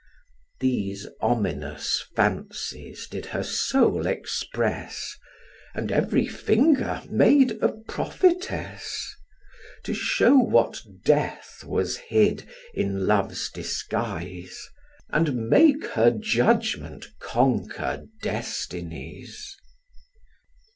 These ominous fancies did her soul express, And every finger made a prophetess, To show what death was hid in love's disguise, And make her judgment conquer Destinies.